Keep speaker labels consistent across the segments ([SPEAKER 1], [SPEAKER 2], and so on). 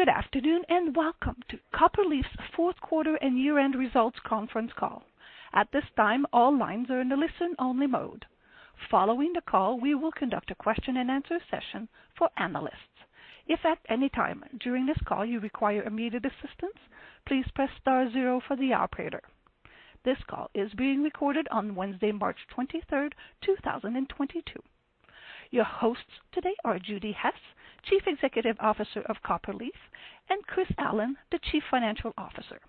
[SPEAKER 1] Good afternoon, and welcome to Copperleaf's Fourth Quarter and Year-End Results Conference Call. At this time, all lines are in a listen-only mode. Following the call, we will conduct a question-and-answer session for analysts. If at any time during this call you require immediate assistance, please press star zero for the operator. This call is being recorded on Wednesday, March 23, 2022. Your hosts today are Judi Hess, Chief Executive Officer of Copperleaf, and Chris Allen, the Chief Financial Officer.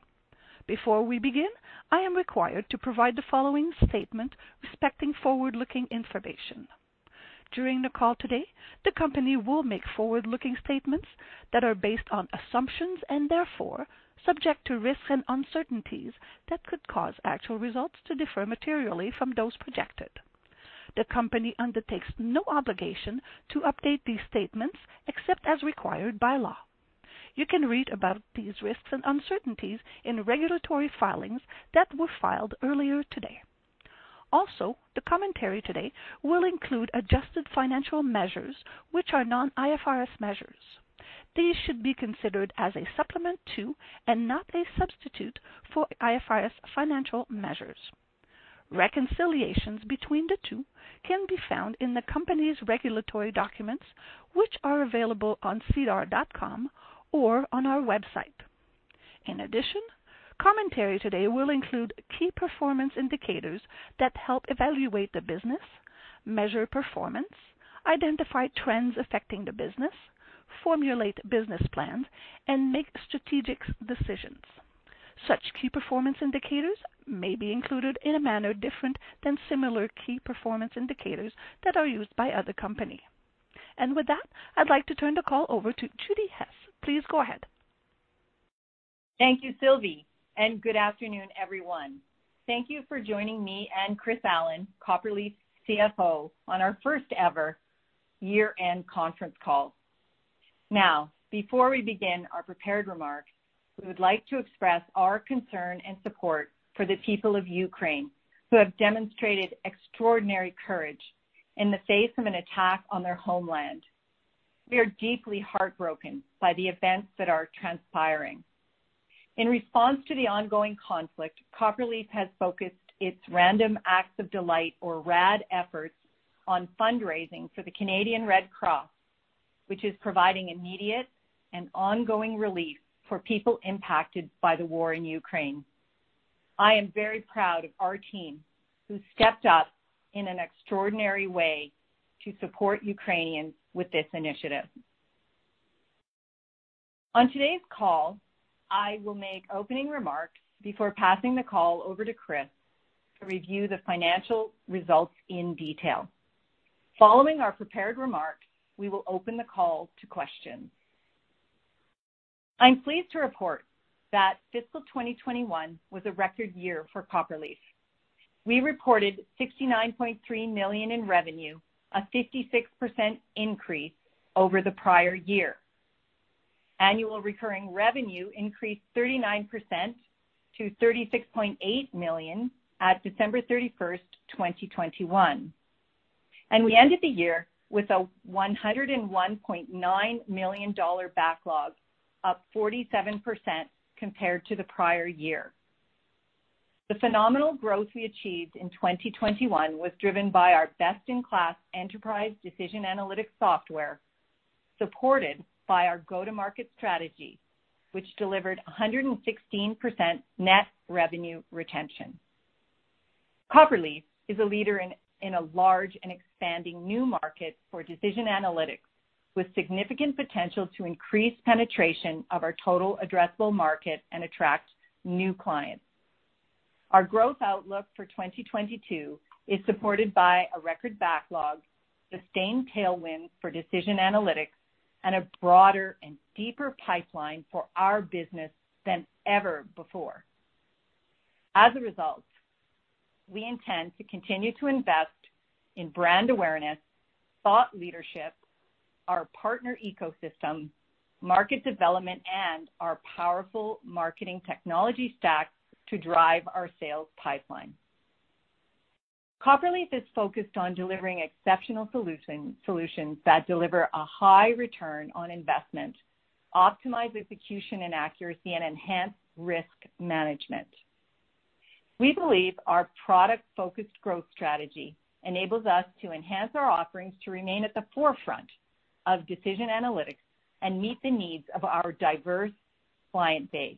[SPEAKER 1] Before we begin, I am required to provide the following statement respecting forward-looking information. During the call today, the company will make forward-looking statements that are based on assumptions and, therefore, subject to risks and uncertainties that could cause actual results to differ materially from those projected. The company undertakes no obligation to update these statements except as required by law. You can read about these risks and uncertainties in regulatory filings that were filed earlier today. Also, the commentary today will include adjusted financial measures, which are non-IFRS measures. These should be considered as a supplement to and not a substitute for IFRS financial measures. Reconciliations between the two can be found in the company's regulatory documents, which are available on sedar.com or on our website. In addition, commentary today will include key performance indicators that help evaluate the business, measure performance, identify trends affecting the business, formulate business plans, and make strategic decisions. Such key performance indicators may be included in a manner different than similar key performance indicators that are used by other company. With that, I'd like to turn the call over to Judi Hess. Please go ahead.
[SPEAKER 2] Thank you, Sylvie, and good afternoon, everyone. Thank you for joining me and Chris Allen, Copperleaf's CFO, on our first ever year-end conference call. Now, before we begin our prepared remarks, we would like to express our concern and support for the people of Ukraine who have demonstrated extraordinary courage in the face of an attack on their homeland. We are deeply heartbroken by the events that are transpiring. In response to the ongoing conflict, Copperleaf has focused its random acts of delight or RAD efforts on fundraising for the Canadian Red Cross, which is providing immediate and ongoing relief for people impacted by the war in Ukraine. I am very proud of our team, who stepped up in an extraordinary way to support Ukrainians with this initiative. On today's call, I will make opening remarks before passing the call over to Chris to review the financial results in detail. Following our prepared remarks, we will open the call to questions. I'm pleased to report that fiscal 2021 was a record year for Copperleaf. We reported 69.3 million in revenue, a 56% increase over the prior year. Annual recurring revenue increased 39% to 36.8 million at December 31, 2021, and we ended the year with a 101.9 million dollar backlog, up 47% compared to the prior year. The phenomenal growth we achieved in 2021 was driven by our best-in-class enterprise decision analytics software, supported by our go-to-market strategy, which delivered a 116% net revenue retention. Copperleaf is a leader in a large and expanding new market for decision analytics with significant potential to increase penetration of our total addressable market and attract new clients. Our growth outlook for 2022 is supported by a record backlog, sustained tailwinds for decision analytics, and a broader and deeper pipeline for our business than ever before. As a result, we intend to continue to invest in brand awareness, thought leadership, our partner ecosystem, market development, and our powerful marketing technology stack to drive our sales pipeline. Copperleaf is focused on delivering exceptional solution, solutions that deliver a high return on investment, optimize execution and accuracy, and enhance risk management. We believe our product-focused growth strategy enables us to enhance our offerings to remain at the forefront of decision analytics and meet the needs of our diverse client base.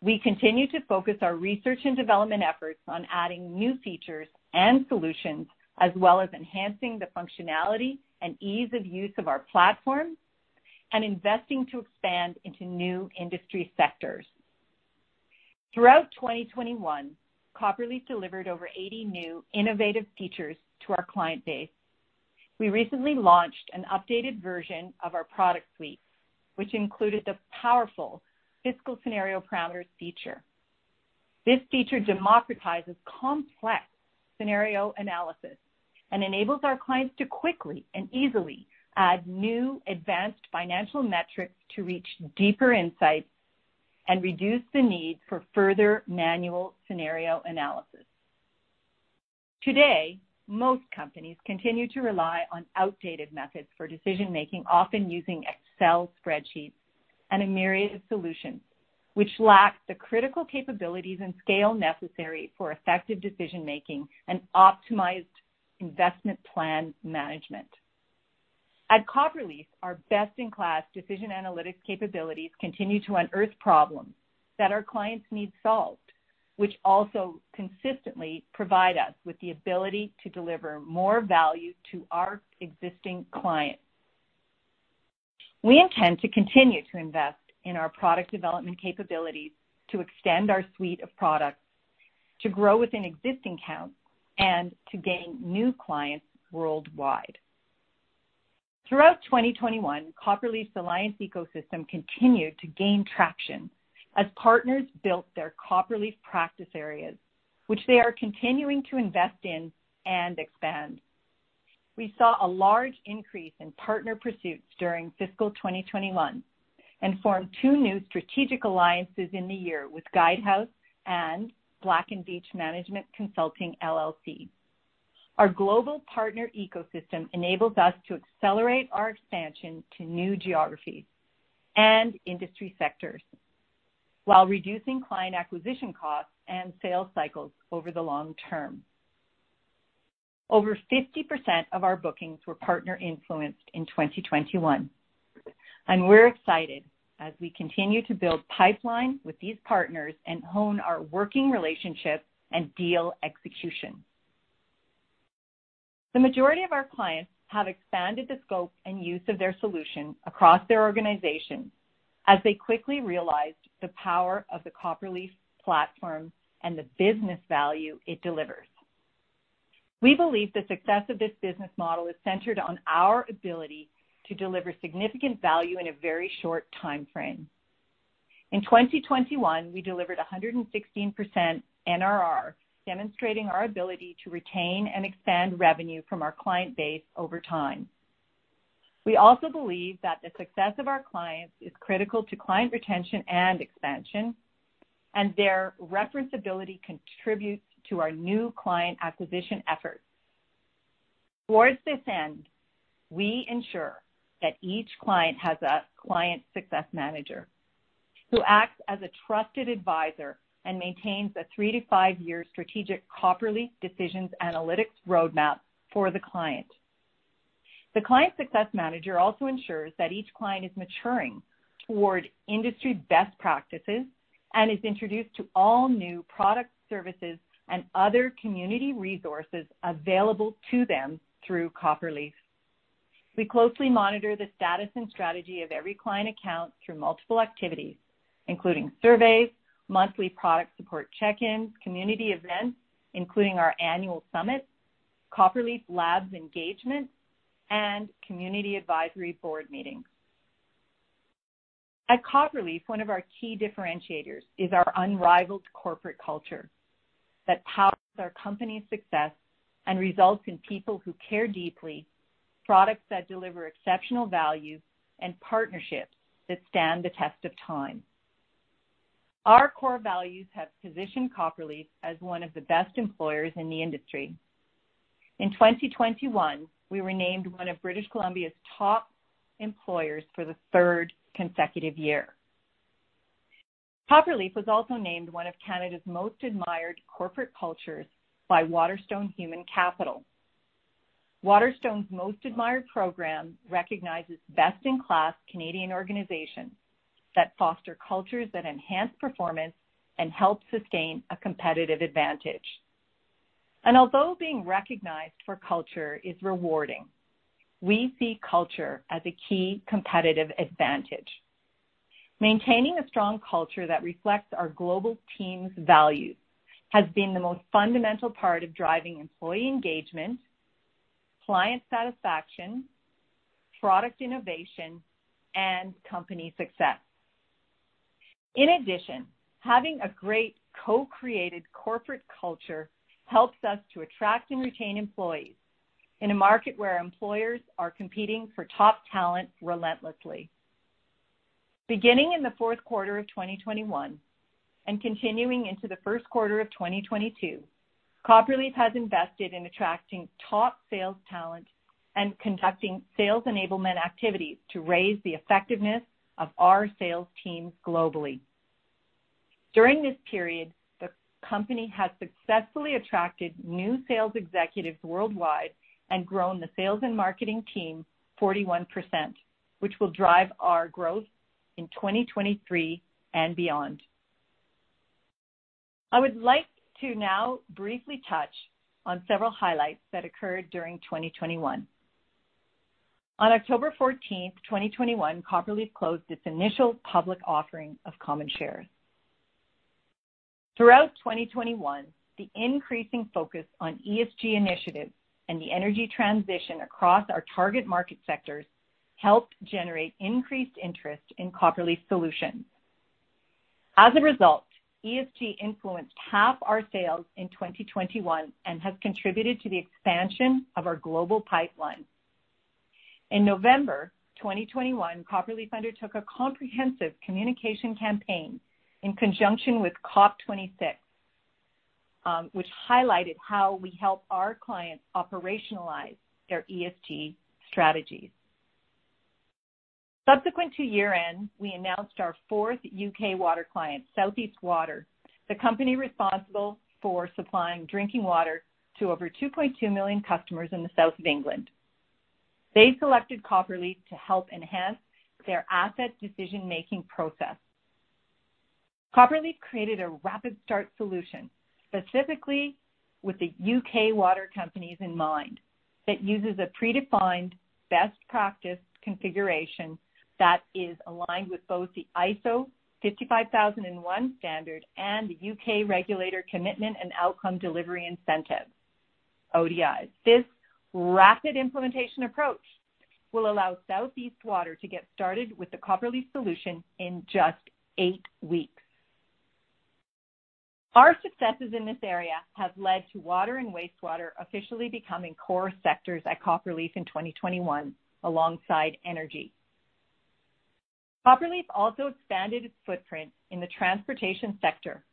[SPEAKER 2] We continue to focus our research and development efforts on adding new features and solutions, as well as enhancing the functionality and ease of use of our platform and investing to expand into new industry sectors. Throughout 2021, Copperleaf delivered over 80 new innovative features to our client base. We recently launched an updated version of our product suite, which included the powerful fiscal scenario parameters feature. This feature democratizes complex scenario analysis and enables our clients to quickly and easily add new advanced financial metrics to reach deeper insights and reduce the need for further manual scenario analysis. Today, most companies continue to rely on outdated methods for decision making, often using Excel spreadsheets and a myriad of solutions which lack the critical capabilities and scale necessary for effective decision making and optimized investment plan management. At Copperleaf, our best-in-class decision analytics capabilities continue to unearth problems that our clients need solved, which also consistently provide us with the ability to deliver more value to our existing clients. We intend to continue to invest in our product development capabilities to extend our suite of products, to grow within existing accounts, and to gain new clients worldwide. Throughout 2021, Copperleaf's alliance ecosystem continued to gain traction as partners built their Copperleaf practice areas, which they are continuing to invest in and expand. We saw a large increase in partner pursuits during fiscal 2021 and formed two new strategic alliances in the year with Guidehouse and Black & Veatch Management Consulting LLC. Our global partner ecosystem enables us to accelerate our expansion to new geographies and industry sectors, while reducing client acquisition costs and sales cycles over the long term. Over 50% of our bookings were partner influenced in 2021, and we're excited as we continue to build pipeline with these partners and hone our working relationship and deal execution. The majority of our clients have expanded the scope and use of their solution across their organizations as they quickly realized the power of the Copperleaf platform and the business value it delivers. We believe the success of this business model is centered on our ability to deliver significant value in a very short timeframe. In 2021, we delivered 116% NRR, demonstrating our ability to retain and expand revenue from our client base over time. We also believe that the success of our clients is critical to client retention and expansion, and their reference ability contributes to our new client acquisition efforts. Towards this end, we ensure that each client has a client success manager who acts as a trusted advisor and maintains a three to five year strategic Copperleaf Decision Analytics roadmap for the client. The client success manager also ensures that each client is maturing toward industry best practices and is introduced to all new products, services, and other community resources available to them through Copperleaf. We closely monitor the status and strategy of every client account through multiple activities, including surveys, monthly product support check-ins, community events, including our annual summit, Copperleaf Labs engagement, and community advisory board meetings. At Copperleaf, one of our key differentiators is our unrivaled corporate culture that powers our company's success and results in people who care deeply, products that deliver exceptional value, and partnerships that stand the test of time. Our core values have positioned Copperleaf as one of the best employers in the industry. In 2021, we were named one of British Columbia's top employers for the third consecutive year. Copperleaf was also named one of Canada's most admired corporate cultures by Waterstone Human Capital. Waterstone's Most Admired Program recognizes best-in-class Canadian organizations that foster cultures that enhance performance and help sustain a competitive advantage. Although being recognized for culture is rewarding, we see culture as a key competitive advantage. Maintaining a strong culture that reflects our global team's values has been the most fundamental part of driving employee engagement, client satisfaction, product innovation, and company success. In addition, having a great co-created corporate culture helps us to attract and retain employees in a market where employers are competing for top talent relentlessly. Beginning in the fourth quarter of 2021 and continuing into the first quarter of 2022, Copperleaf has invested in attracting top sales talent and conducting sales enablement activities to raise the effectiveness of our sales teams globally. During this period, the company has successfully attracted new sales executives worldwide and grown the sales and marketing team 41%, which will drive our growth in 2023 and beyond. I would like to now briefly touch on several highlights that occurred during 2021. On October 14, 2021, Copperleaf closed its initial public offering of common shares. Throughout 2021, the increasing focus on ESG initiatives and the energy transition across our target market sectors helped generate increased interest in Copperleaf solutions. As a result, ESG influenced half our sales in 2021 and has contributed to the expansion of our global pipeline. In November 2021, Copperleaf undertook a comprehensive communication campaign in conjunction with COP26, which highlighted how we help our clients operationalize their ESG strategies. Subsequent to year-end, we announced our fourth U.K. water client, South East Water, the company responsible for supplying drinking water to over 2.2 million customers in the South of England. They selected Copperleaf to help enhance their asset decision-making process. Copperleaf created a rapid start solution specifically with the U.K. water companies in mind, that uses a predefined best practice configuration that is aligned with both the ISO 55001 standard and the U.K. regulator commitment and Outcome Delivery Incentive, ODI. This rapid implementation approach will allow South East Water to get started with the Copperleaf solution in just eight weeks. Our successes in this area have led to water and wastewater officially becoming core sectors at Copperleaf in 2021, alongside energy. Copperleaf also expanded its footprint in the transportation sector,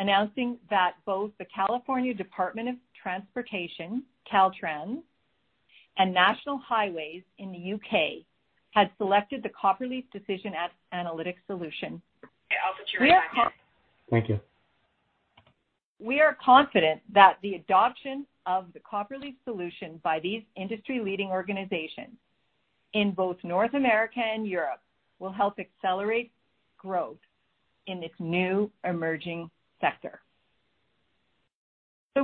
[SPEAKER 2] announcing that both the California Department of Transportation, Caltrans, and National Highways in the U.K. had selected the Copperleaf Decision Analytics Solution.
[SPEAKER 1] I'll put you right back in.
[SPEAKER 3] Thank you.
[SPEAKER 2] We are confident that the adoption of the Copperleaf solution by these industry-leading organizations in both North America and Europe will help accelerate growth in this new emerging sector.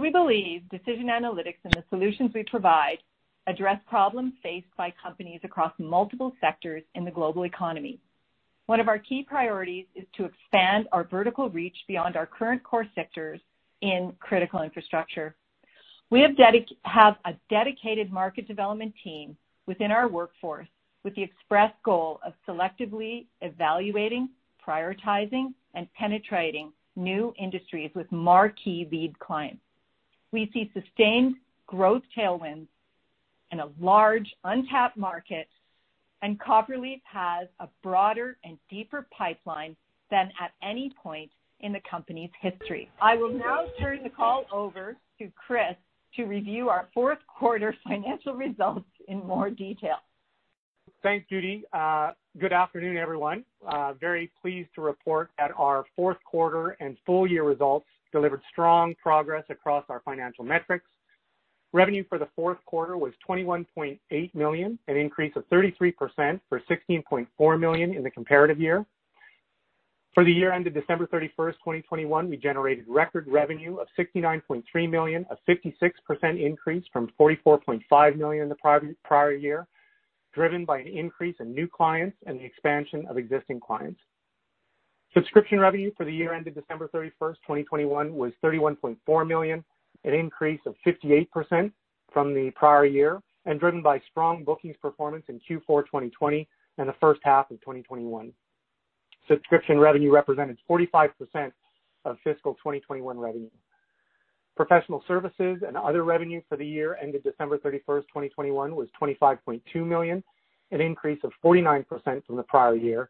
[SPEAKER 2] We believe decision analytics and the solutions we provide address problems faced by companies across multiple sectors in the global economy. One of our key priorities is to expand our vertical reach beyond our current core sectors in critical infrastructure. We have a dedicated market development team within our workforce with the express goal of selectively evaluating, prioritizing, and penetrating new industries with marquee lead clients. We see sustained growth tailwinds in a large untapped market, and Copperleaf has a broader and deeper pipeline than at any point in the company's history. I will now turn the call over to Chris to review our fourth quarter financial results in more detail.
[SPEAKER 3] Thanks, Judi. Good afternoon, everyone. Very pleased to report that our fourth quarter, and full year results delivered strong progress across our financial metrics. Revenue for the fourth quarter was 21.8 million, an increase of 33% from 16.4 million in the comparative year. For the year ended December 31st 2021, we generated record revenue of 69.3 million, a 56% increase from 44.5 million in the prior year, driven by an increase in new clients and the expansion of existing clients. Subscription revenue for the year ended December 31st, 2021, was 31.4 million, an increase of 58% from the prior year, and driven by strong bookings performance in Q4 2020 and the first half of 2021. Subscription revenue represented 45% of fiscal 2021 revenue. Professional services and other revenue for the year ended December 31, 2021, was 25.2 million, an increase of 49% from the prior year,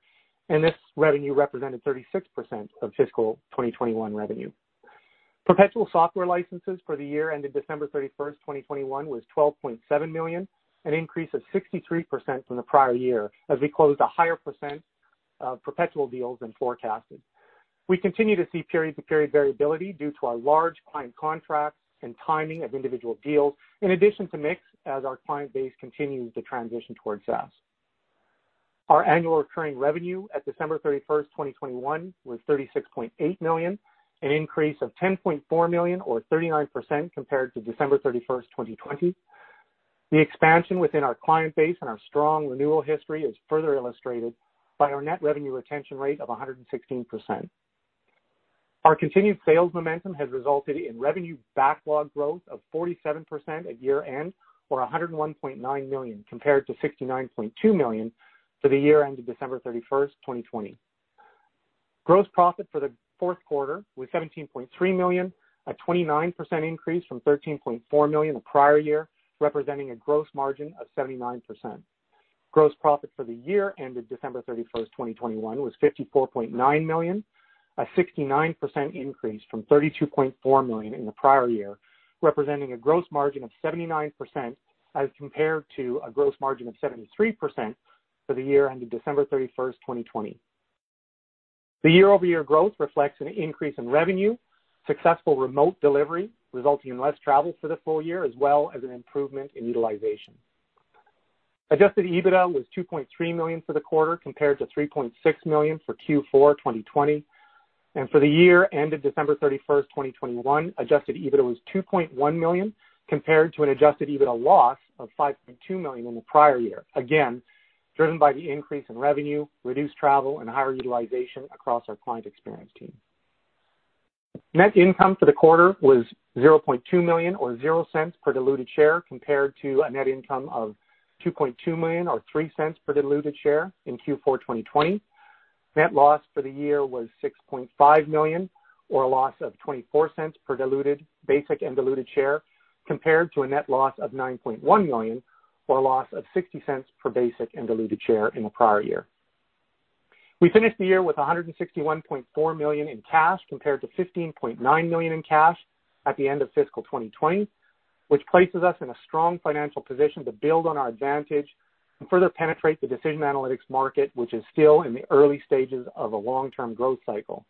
[SPEAKER 3] and this revenue represented 36% of fiscal 2021 revenue. Perpetual software licenses for the year ended December 31, 2021, was 12.7 million, an increase of 63% from the prior year, as we closed a higher percent of perpetual deals than forecasted. We continue to see period to period variability due to our large client contracts and timing of individual deals, in addition to mix as our client base continues to transition towards SaaS. Our annual recurring revenue at December 31, 2021, was 36.8 million, an increase of 10.4 million or 39% compared to December 31, 2020. The expansion within our client base and our strong renewal history is further illustrated by our net revenue retention rate of 116%. Our continued sales momentum has resulted in revenue backlog growth of 47% at year-end, or 101.9 million compared to 69.2 million for the year ended December 31, 2020. Gross profit for the fourth quarter, Was CAD 17.3 million, a 29% increase from CAD 13.4 million the prior year, representing a gross margin of 79%. Gross profit for the year ended December 31, 2021, was 54.9 million, a 69% increase from 32.4 million in the prior year, representing a gross margin of 79% as compared to a gross margin of 73% for the year ended December 31, 2020. The year-over-year growth reflects an increase in revenue, successful remote delivery, resulting in less travel for the full year, as well as an improvement in utilization. Adjusted EBITDA was 2.3 million for the quarter, compared to 3.6 million for Q4 2020. For the year ended December 31, 2021, Adjusted EBITDA was 2.1 million, compared to an Adjusted EBITDA loss of 5.2 million in the prior year, again, driven by the increase in revenue, reduced travel, and higher utilization across our client experience team. Net income for the quarter, was 0.2 million or 0.00 per diluted share, compared to a net income of 2.2 million or 0.03 per diluted share in Q4 2020. Net loss for the year was 6.5 million, or a loss of 0.24 per basic and diluted share, compared to a net loss of 9.1 million or a loss of 0.60 per basic and diluted share in the prior year. We finished the year with 161.4 million in cash compared to 15.9 million in cash at the end of fiscal 2020, which places us in a strong financial position to build on our advantage and further penetrate the decision analytics market, which is still in the early stages of a long-term growth cycle.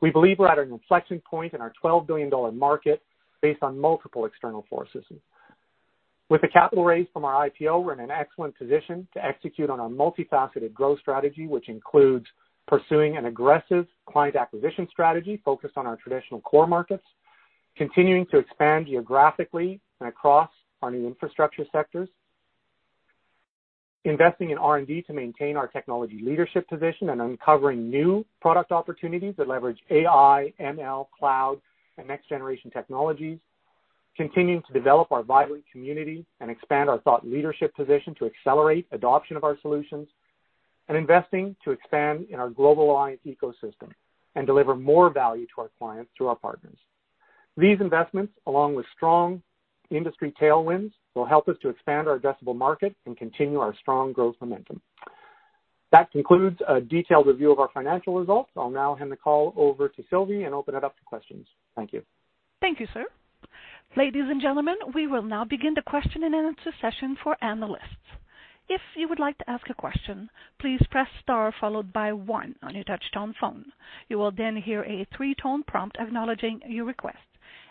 [SPEAKER 3] We believe we're at an inflection point in our 12 billion dollar market based on multiple external forces. With the capital raise from our IPO, we're in an excellent position to execute on our multifaceted growth strategy, which includes pursuing an aggressive client acquisition strategy focused on our traditional core markets, continuing to expand geographically and across our new infrastructure sectors. Investing in R&D to maintain our technology leadership position and uncovering new product opportunities that leverage AI, ML, cloud, and next-generation technologies. Continuing to develop our vibrant community and expand our thought leadership position to accelerate adoption of our solutions, and investing to expand in our global alliance ecosystem and deliver more value to our clients through our partners. These investments, along with strong industry tailwinds, will help us to expand our addressable market and continue our strong growth momentum. That concludes a detailed review of our financial results. I'll now hand the call over to Sylvie and open it up to questions. Thank you.
[SPEAKER 1] Thank you, sir. Ladies and gentlemen, we will now begin the question-and-answer session for analysts. If you would like to ask a question, please press star followed by one on your touchtone phone. You will then hear a three-tone prompt acknowledging your request.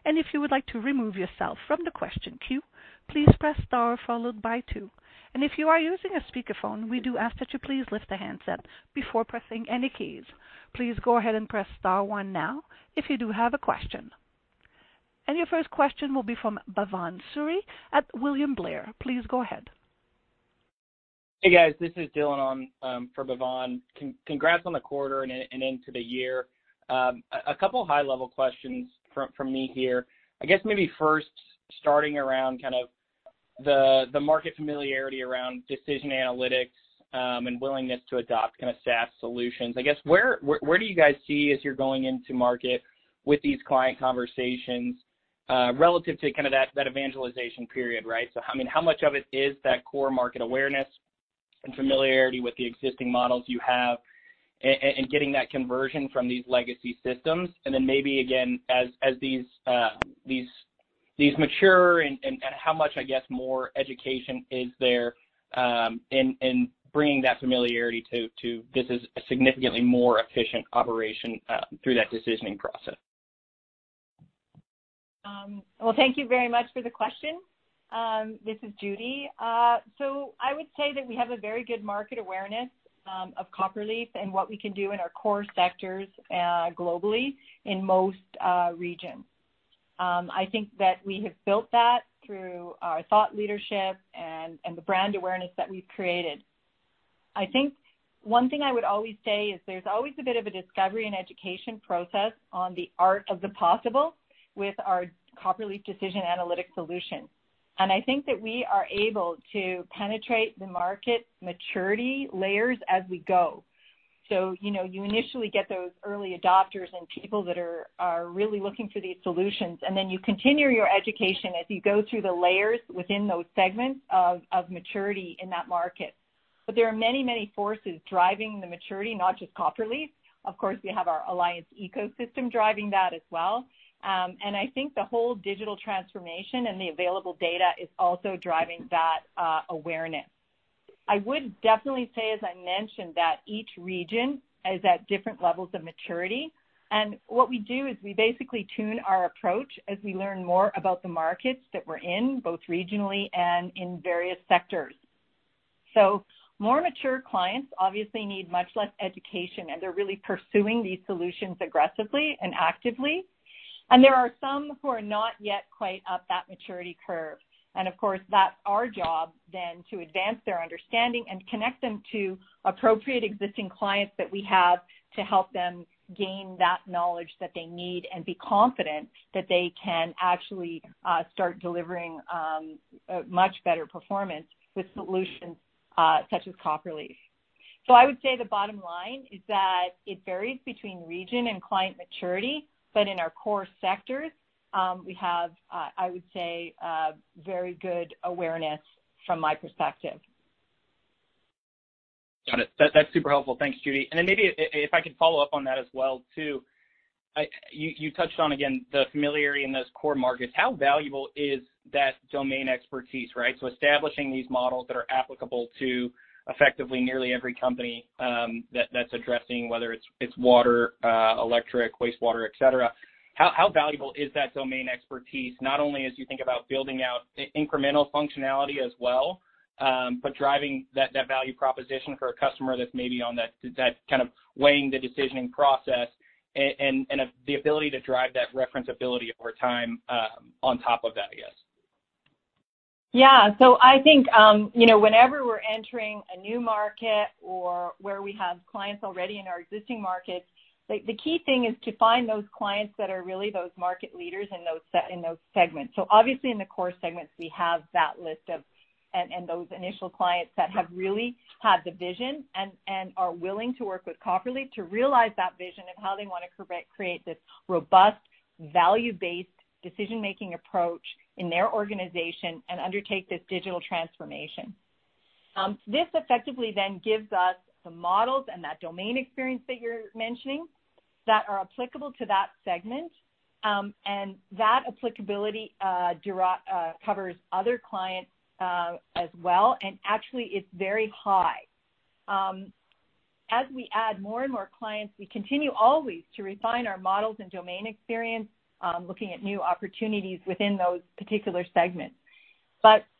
[SPEAKER 1] If you would like to remove yourself from the question queue, please press star followed by two. If you are using a speakerphone, we do ask that you please lift the handset before pressing any keys. Please go ahead and press star one now if you do have a question. Your first question will be from Bhavan Suri at William Blair. Please go ahead.
[SPEAKER 4] Hey, guys. This is Dylan on for Bhavan. Congrats on the quarter and into the year. A couple high-level questions from me here. I guess maybe first, starting around kind of the market familiarity around decision analytics and willingness to adopt kind of SaaS solutions. I guess, where do you guys see as you're going into market with these client conversations relative to kind of that evangelization period, right? I mean, how much of it is that core market awareness, and familiarity with the existing models you have, and getting that conversion from these legacy systems? Then maybe again, as these mature and how much, I guess, more education is there in bringing that familiarity to this is a significantly more efficient operation through that decisioning process.
[SPEAKER 2] Well, thank you very much for the question. This is Judi. So I would say that we have a very good market awareness of Copperleaf and what we can do in our core sectors globally in most regions. I think that we have built that through our thought leadership and the brand awareness that we've created. I think one thing I would always say is there's always a bit of a discovery and education process on the art of the possible with our Copperleaf Decision Analytics Solution. I think that we are able to penetrate the market maturity layers as we go. You know, you initially get those early adopters and people that are really looking for these solutions, and then you continue your education as you go through the layers within those segments of maturity in that market. There are many, many forces driving the maturity, not just Copperleaf. Of course, we have our alliance ecosystem driving that as well. I think the whole digital transformation and the available data is also driving that awareness. I would definitely say, as I mentioned, that each region is at different levels of maturity. What we do is we basically tune our approach as we learn more about the markets that we're in, both regionally and in various sectors. More mature clients obviously need much less education, and they're really pursuing these solutions aggressively and actively. There are some who are not yet quite up that maturity curve. Of course, that's our job then to advance their understanding and connect them to appropriate existing clients that we have to help them gain that knowledge that they need and be confident that they can actually start delivering a much better performance with solutions such as Copperleaf. I would say the bottom line is that it varies between region and client maturity. In our core sectors, we have, I would say, very good awareness from my perspective.
[SPEAKER 4] Got it. That's super helpful. Thanks, Judi. Then maybe if I could follow up on that as well too. You touched on, again, the familiarity in those core markets. How valuable is that domain expertise, right? Establishing these models that are applicable to effectively nearly every company that's addressing whether it's water, electric, wastewater, et cetera. How valuable is that domain expertise not only as you think about building out the incremental functionality as well, but driving that value proposition for a customer that's maybe on that kind of weighing the decisioning process and the ability to drive that referability over time, on top of that, I guess?
[SPEAKER 2] Yeah. I think, you know, whenever we're entering a new market or where we have clients already in our existing markets, like the key thing is to find those clients that are really those market leaders in those segments. Obviously in the core segments, we have that list of and those initial clients that have really had the vision and are willing to work with Copperleaf to realize that vision of how they wanna create this robust value-based decision-making approach in their organization and undertake this digital transformation. This effectively then gives us the models and that domain experience that you're mentioning that are applicable to that segment. That applicability covers other clients as well, and actually it's very high. As we add more and more clients, we continue always to refine our models and domain experience, looking at new opportunities within those particular segments.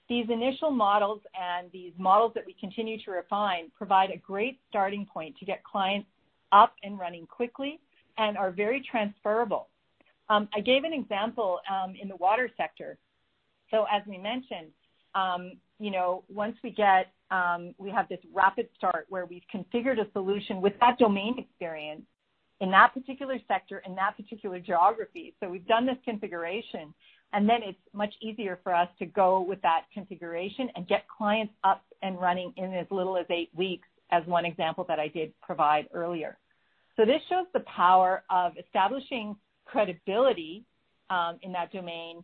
[SPEAKER 2] These initial models and these models that we continue to refine provide a great starting point to get clients up and running quickly and are very transferable. I gave an example in the water sector. As we mentioned, you know, once we get, we have this rapid start where we've configured a solution with that domain experience in that particular sector, in that particular geography. We've done this configuration, and then it's much easier for us to go with that configuration and get clients up and running in as little as eight weeks, as one example that I did provide earlier. This shows the power of establishing credibility in that domain,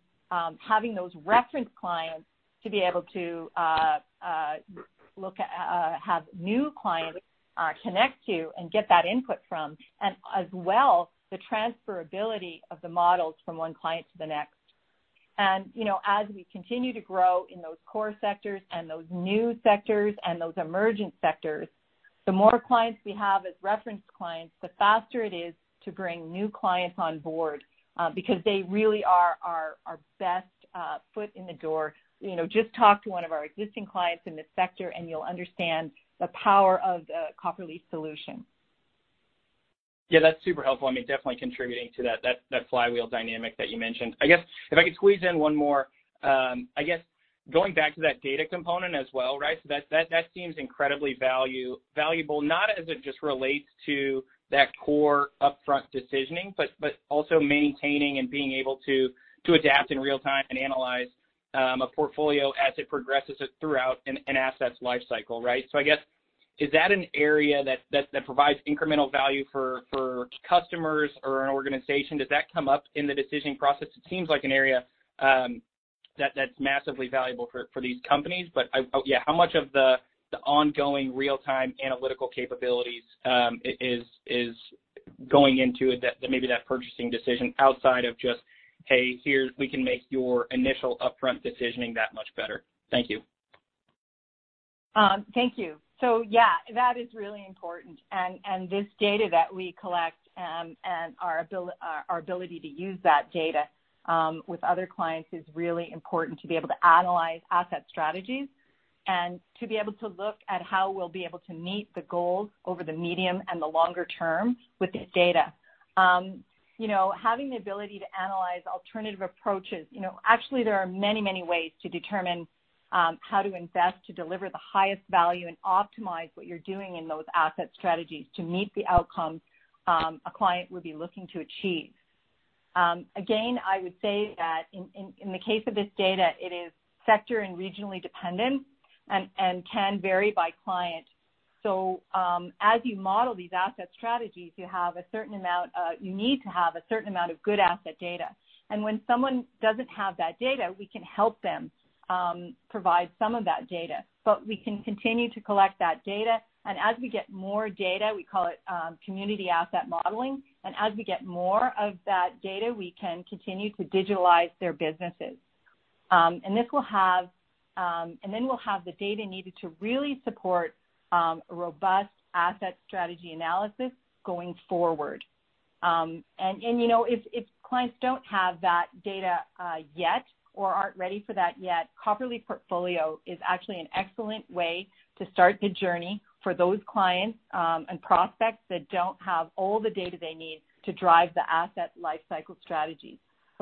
[SPEAKER 2] having those reference clients to be able to have new clients connect to and get that input from, and as well, the transferability of the models from one client to the next. You know, as we continue to grow in those core sectors and those new sectors and those emergent sectors, the more clients we have as reference clients, the faster it is to bring new clients on board, because they really are our best foot in the door. You know, just talk to one of our existing clients in this sector and you'll understand the power of the Copperleaf solution.
[SPEAKER 4] Yeah, that's super helpful. I mean, definitely contributing to that flywheel dynamic that you mentioned. I guess if I could squeeze in one more, I guess, going back to that data component as well, right? So that seems incredibly valuable, not as it just relates to that core upfront decisioning, but also maintaining and being able to adapt in real time and analyze a portfolio as it progresses it throughout an asset's life cycle, right? So I guess, is that an area that provides incremental value for customers or an organization? Does that come up in the decision process? It seems like an area that that's massively valuable for these companies. But I... Yeah, how much of the ongoing real-time analytical capabilities is going into that, maybe that purchasing decision outside of just, "We can make your initial upfront decisioning that much better." Thank you.
[SPEAKER 2] Thank you. Yeah, that is really important. This data that we collect, and our ability to use that data with other clients is really important to be able to analyze asset strategies and to be able to look at how we'll be able to meet the goals over the medium and the longer term with this data. You know, having the ability to analyze alternative approaches, you know, actually there are many ways to determine how to invest to deliver the highest value and optimize what you're doing in those asset strategies to meet the outcomes a client would be looking to achieve. Again, I would say that in the case of this data, it is sector and regionally dependent and can vary by client. As you model these asset strategies, you have a certain amount, you need to have a certain amount of good asset data. When someone doesn't have that data, we can help them provide some of that data. We can continue to collect that data, and as we get more data, we call it community asset modeling. As we get more of that data, we can continue to digitalize their businesses. We'll have the data needed to really support robust asset strategy analysis going forward. You know, if clients don't have that data yet or aren't ready for that yet, Copperleaf Portfolio is actually an excellent way to start the journey for those clients and prospects that don't have all the data they need to drive the asset lifecycle strategies.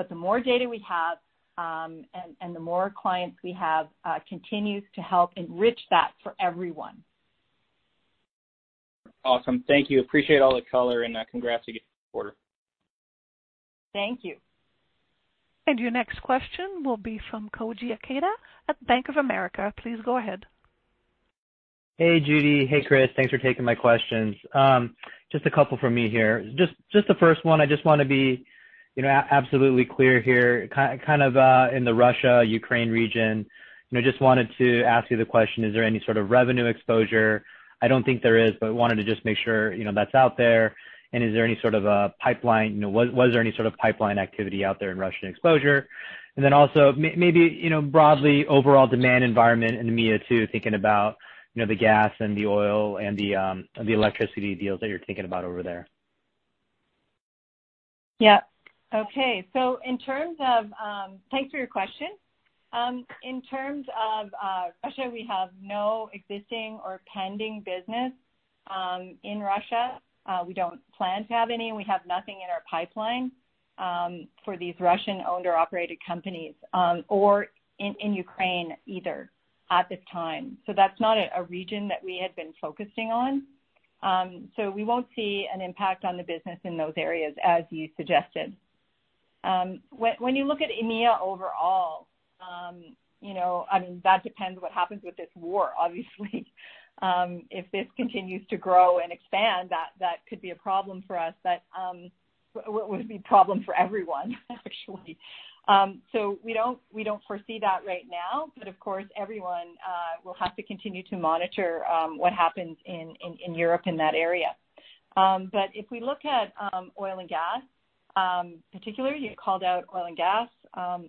[SPEAKER 2] The more data we have and the more clients we have continues to help enrich that for everyone.
[SPEAKER 4] Awesome. Thank you. Appreciate all the color and congrats again on the quarter.
[SPEAKER 2] Thank you.
[SPEAKER 1] Your next question will be from Koji Ikeda at Bank of America. Please go ahead.
[SPEAKER 5] Hey, Judi. Hey, Chris. Thanks for taking my questions. Just a couple from me here. Just the first one, I just wanna be, you know, absolutely clear here kind of in the Russia-Ukraine region. You know, just wanted to ask you the question, is there any sort of revenue exposure? I don't think there is, but wanted to just make sure, you know, that's out there. Is there any sort of a pipeline? You know, was there any sort of pipeline activity out there in Russian exposure? Also maybe, you know, broadly overall demand environment in EMEA too, thinking about, you know, the gas and the oil and the electricity deals that you're thinking about over there.
[SPEAKER 2] Yeah. Okay. Thanks for your question. In terms of Russia, we have no existing or pending business in Russia. We don't plan to have any, and we have nothing in our pipeline for these Russian-owned or operated companies or in Ukraine either at this time. That's not a region that we had been focusing on. We won't see an impact on the business in those areas as you suggested. When you look at EMEA overall, you know, I mean, that depends what happens with this war, obviously. If this continues to grow and expand, that could be a problem for us, but would be a problem for everyone, actually. We don't foresee that right now, but of course, everyone will have to continue to monitor what happens in Europe in that area. If we look at oil and gas, particularly you called out oil and gas,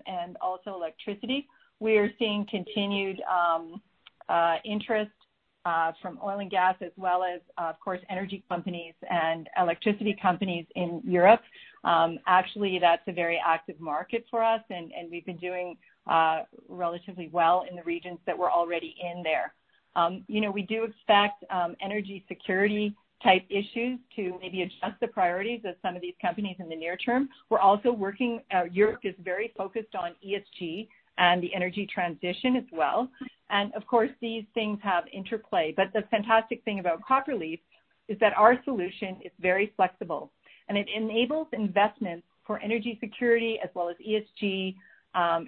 [SPEAKER 2] and also electricity, we are seeing continued interest from oil and gas as well as, of course, energy companies and electricity companies in Europe. Actually, that's a very active market for us, and we've been doing relatively well in the regions that we're already in there. You know, we do expect energy security-type issues to maybe adjust the priorities of some of these companies in the near term. Europe is very focused on ESG and the energy transition as well. Of course, these things have interplay, but the fantastic thing about Copperleaf is that our solution is very flexible, and it enables investments for energy security as well as ESG,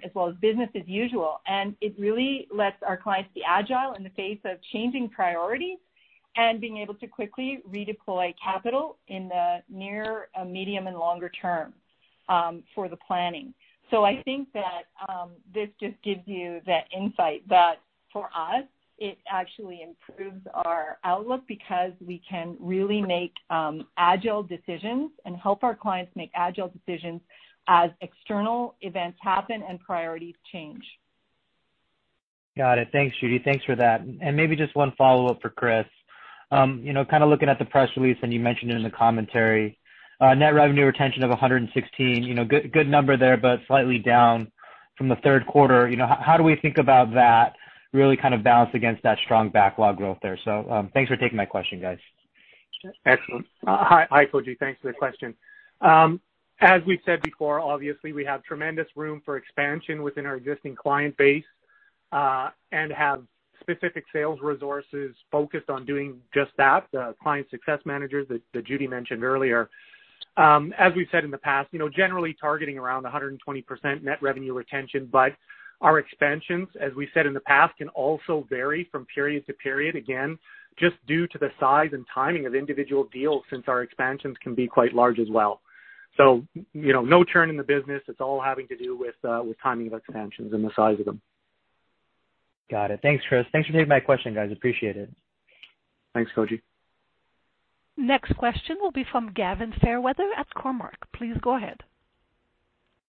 [SPEAKER 2] as well as business as usual. It really lets our clients be agile in the face of changing priorities and being able to quickly redeploy capital in the near, medium and longer term, for the planning. I think that this just gives you the insight that for us, it actually improves our outlook because we can really make agile decisions and help our clients make agile decisions as external events happen and priorities change.
[SPEAKER 5] Got it. Thanks, Judy. Thanks for that. Maybe just one follow-up for Chris. You know, kind of looking at the press release, and you mentioned it in the commentary, net revenue retention of 116, you know, good number there, but slightly down from the third quarter. You know, how do we think about that really kind of balanced against that strong backlog growth there? Thanks for taking my question, guys.
[SPEAKER 3] Excellent. Hi, Koji. Thanks for the question. As we've said before, obviously, we have tremendous room for expansion within our existing client base, and have specific sales resources focused on doing just that, the client success managers that Judy mentioned earlier. As we've said in the past, you know, generally targeting around 100% net revenue retention, but our expansions, as we said in the past, can also vary from period to period, again, just due to the size and timing of individual deals since our expansions can be quite large as well. You know, no churn in the business. It's all having to do with timing of expansions and the size of them.
[SPEAKER 5] Got it. Thanks, Chris. Thanks for taking my question, guys. Appreciate it.
[SPEAKER 3] Thanks, Koji.
[SPEAKER 1] Next question will be from Gavin Fairweather at Cormark. Please go ahead.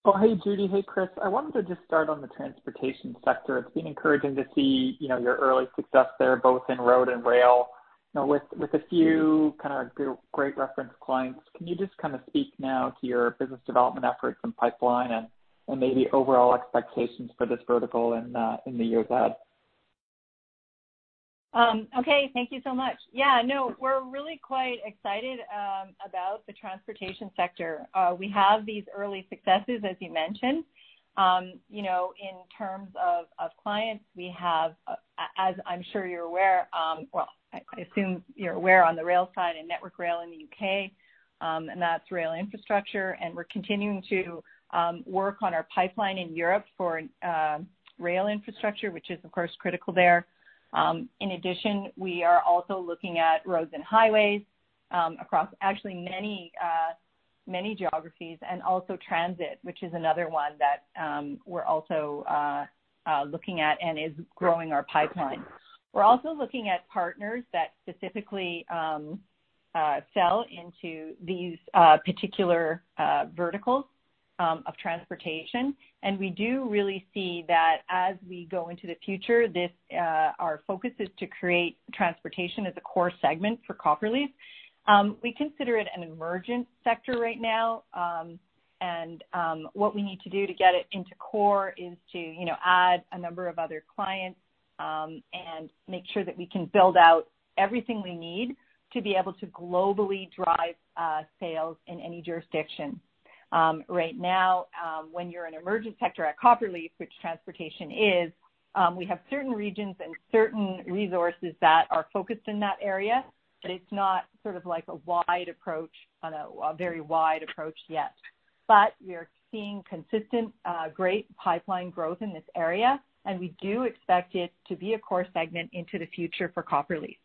[SPEAKER 6] Oh, hey, Judi. Hey, Chris. I wanted to just start on the transportation sector. It's been encouraging to see, you know, your early success there, both in road and rail. Now with a few kind of great reference clients, can you just kind of speak now to your business development efforts and pipeline and maybe overall expectations for this vertical in the years ahead?
[SPEAKER 2] Okay. Thank you so much. Yeah, no, we're really quite excited about the transportation sector. We have these early successes, as you mentioned. You know, in terms of clients, we have, I'm sure you're aware, well, I assume you're aware on the rail side and Network Rail in the U.K., and that's rail infrastructure, and we're continuing to work on our pipeline in Europe for rail infrastructure, which is of course critical there. In addition, we are also looking at roads and highways, across actually many geographies and also transit, which is another one that we're also looking at and is growing our pipeline. We're also looking at partners that specifically sell into these particular verticals of transportation. We do really see that as we go into the future, our focus is to create transportation as a core segment for Copperleaf. We consider it an emergent sector right now, and what we need to do to get it into core is to, you know, add a number of other clients, and make sure that we can build out everything we need to be able to globally drive sales in any jurisdiction. Right now, when you're an emergent sector at Copperleaf, which transportation is, we have certain regions and certain resources that are focused in that area, but it's not sort of like a wide approach on a very wide approach yet. We are seeing consistent, great pipeline growth in this area, and we do expect it to be a core segment into the future for Copperleaf.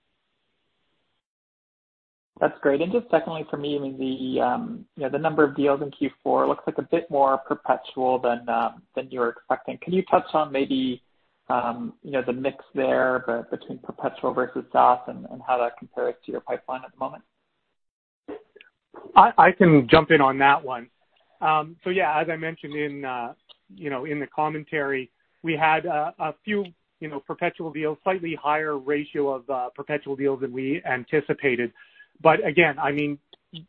[SPEAKER 6] That's great. Just secondly for me, I mean, the you know, the number of deals in Q4 looks like a bit more perpetual than you were expecting. Can you touch on maybe, you know, the mix there between perpetual versus SaaS and how that compares to your pipeline at the moment?
[SPEAKER 3] I can jump in on that one. Yeah, as I mentioned in the commentary, we had a few you know perpetual deals, slightly higher ratio of perpetual deals than we anticipated. Again, I mean,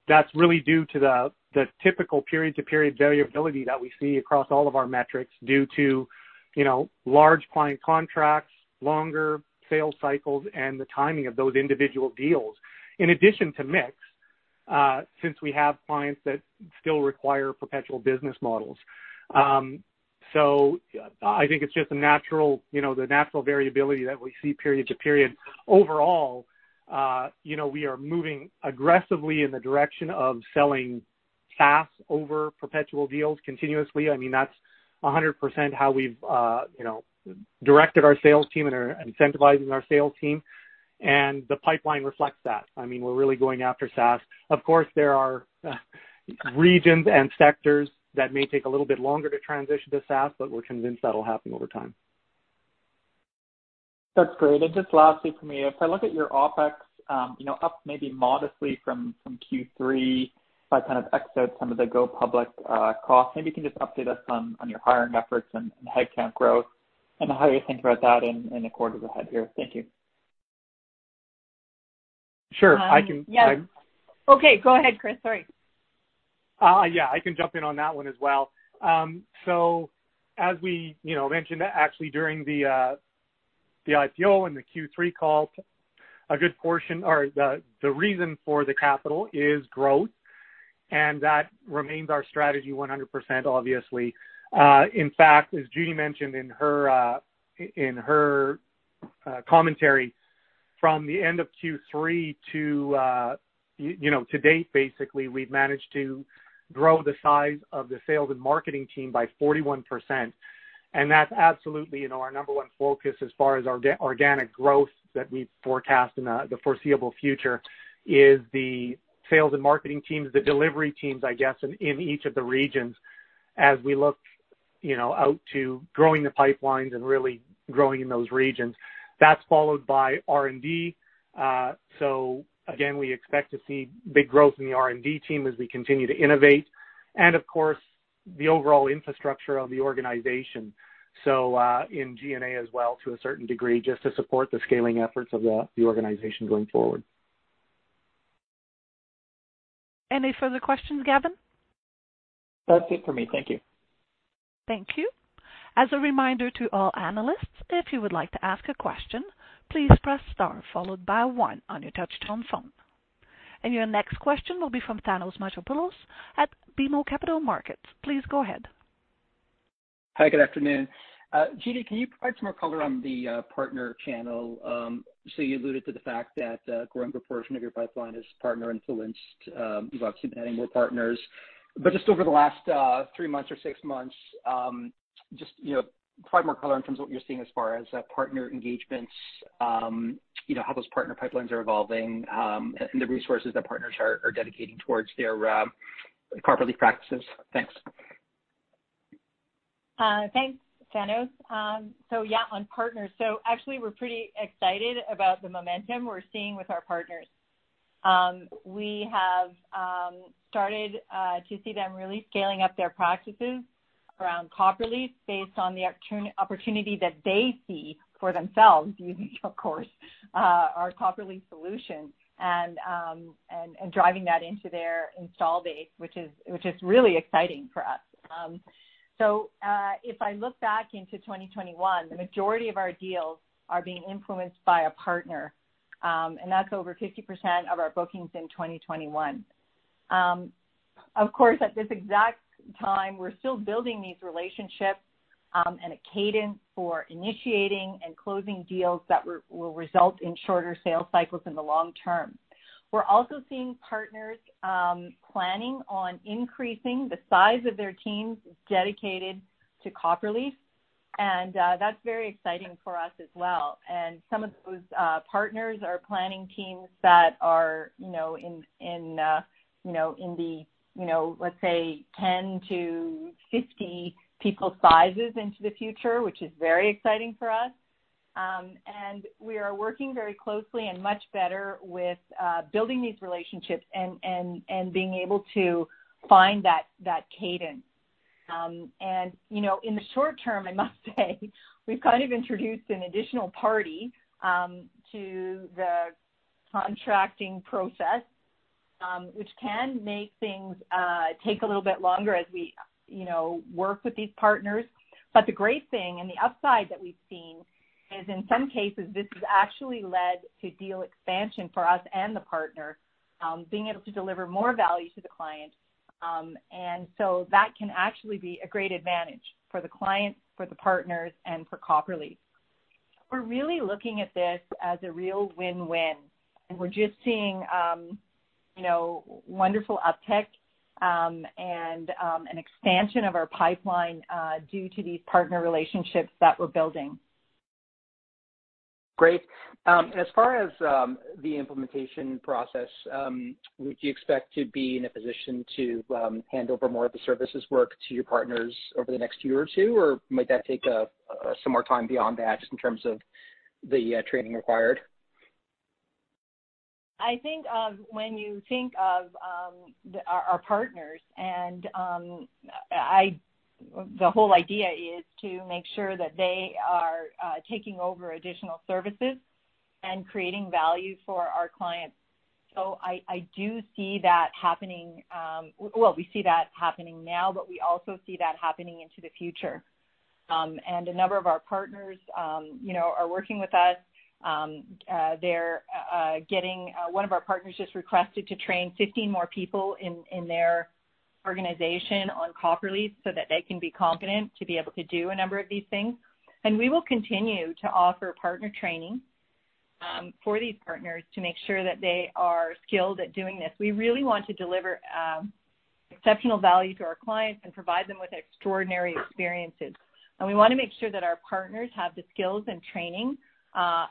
[SPEAKER 3] that's really due to the typical period to period variability that we see across all of our metrics due to you know large client contracts, longer sales cycles, and the timing of those individual deals. In addition to mix, since we have clients that still require perpetual business models. I think it's just a natural you know variability that we see period to period. Overall, you know, we are moving aggressively in the direction of selling SaaS over perpetual deals continuously. I mean, that's 100% how we've directed our sales team and are incentivizing our sales team, and the pipeline reflects that. I mean, we're really going after SaaS. Of course, there are regions and sectors that may take a little bit longer to transition to SaaS, but we're convinced that'll happen over time.
[SPEAKER 6] That's great. Just lastly for me, if I look at your OpEx, you know, up maybe modestly from Q3 by kind of exiting some of the go-public costs. Maybe you can just update us on your hiring efforts and headcount growth and how you think about that in the quarters ahead here. Thank you.
[SPEAKER 3] Sure.
[SPEAKER 2] Yeah. Okay, go ahead, Chris. Sorry.
[SPEAKER 3] Yeah, I can jump in on that one as well. So as we, you know, mentioned actually during the IPO and the Q3 call, a good portion or the reason for the capital is growth, and that remains our strategy 100%, obviously. In fact, as Judy mentioned in her commentary from the end of Q3 to, you know, to date, basically, we've managed to grow the size of the sales and marketing team by 41%. That's absolutely, you know, our number one focus as far as our organic growth that we forecast in the foreseeable future is the sales and marketing teams, the delivery teams, I guess, in each of the regions as we look, you know, out to growing the pipelines and really growing in those regions. That's followed by R&D. Again, we expect to see big growth in the R&D team as we continue to innovate and, of course, the overall infrastructure of the organization. In G&A as well to a certain degree, just to support the scaling efforts of the organization going forward.
[SPEAKER 2] Any further questions, Gavin?
[SPEAKER 6] That's it for me. Thank you.
[SPEAKER 1] Thank you. As a reminder to all analysts, if you would like to ask a question, please press star followed by one on your touchtone phone. Your next question will be from Thanos Moschopoulos at BMO Capital Markets. Please go ahead.
[SPEAKER 7] Hi. Good afternoon. Judi, can you provide some more color on the partner channel? You alluded to the fact that a growing proportion of your pipeline is partner influenced. You've obviously been adding more partners. Just over the last three months or six months, just, you know, provide more color in terms of what you're seeing as far as partner engagements, you know, how those partner pipelines are evolving, and the resources that partners are dedicating towards their Copperleaf practices. Thanks.
[SPEAKER 2] Thanks, Thanos. Yeah, on partners. Actually, we're pretty excited about the momentum we're seeing with our partners. We have started to see them really scaling up their practices around Copperleaf based on the opportunity that they see for themselves using, of course, our Copperleaf solution and driving that into their install base, which is really exciting for us. If I look back into 2021, the majority of our deals are being influenced by a partner, and that's over 50% of our bookings in 2021. Of course, at this exact time, we're still building these relationships and a cadence for initiating and closing deals that will result in shorter sales cycles in the long term. We're also seeing partners planning on increasing the size of their teams dedicated to Copperleaf, and that's very exciting for us as well. Some of those partners are planning teams that are, you know, in the, you know, let's say 10-50 people sizes into the future, which is very exciting for us. We are working very closely and much better with building these relationships and being able to find that cadence. You know, in the short term, I must say we've kind of introduced an additional party to the contracting process, which can make things take a little bit longer as we, you know, work with these partners. The great thing and the upside that we've seen is in some cases, this has actually led to deal expansion for us and the partner, being able to deliver more value to the client. That can actually be a great advantage for the clients, for the partners, and for Copperleaf. We're really looking at this as a real win-win, and we're just seeing, you know, wonderful uptick, and an expansion of our pipeline due to these partner relationships that we're building.
[SPEAKER 7] Great. As far as the implementation process, would you expect to be in a position to hand over more of the services work to your partners over the next year or two? Or might that take some more time beyond that just in terms of the training required?
[SPEAKER 2] I think when you think of our partners and the whole idea is to make sure that they are taking over additional services and creating value for our clients. I do see that happening. Well, we see that happening now, but we also see that happening into the future. A number of our partners, you know, are working with us. One of our partners just requested to train 15 more people in their organization on Copperleaf so that they can be confident to be able to do a number of these things. We will continue to offer partner training for these partners to make sure that they are skilled at doing this. We really want to deliver exceptional value to our clients and provide them with extraordinary experiences. We wanna make sure that our partners have the skills and training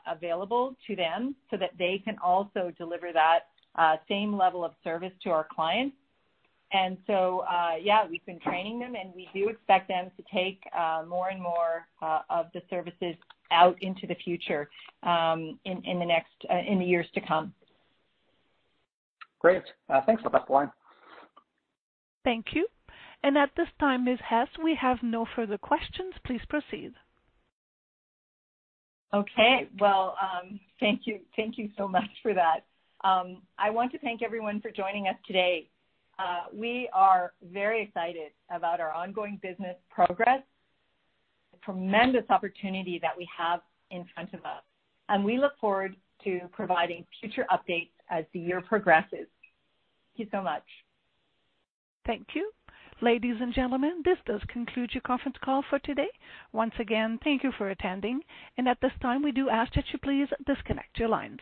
[SPEAKER 2] available to them so that they can also deliver that same level of service to our clients. We've been training them, and we do expect them to take more and more of the services out into the future in the years to come.
[SPEAKER 7] Great. Thanks. I'll pass the line.
[SPEAKER 1] Thank you. At this time, Ms. Hess, we have no further questions. Please proceed.
[SPEAKER 2] Okay. Well, thank you. Thank you so much for that. I want to thank everyone for joining us today. We are very excited about our ongoing business progress, the tremendous opportunity that we have in front of us, and we look forward to providing future updates as the year progresses. Thank you so much.
[SPEAKER 1] Thank you. Ladies and gentlemen, this does conclude your conference call for today. Once again, thank you for attending, and at this time, we do ask that you please disconnect your lines.